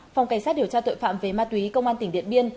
phòng cảnh sát điều tra tội phạm về ma túy công an tỉnh điện biên